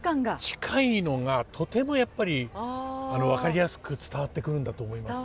近いのがとてもやっぱり分かりやすく伝わってくるんだと思いますね。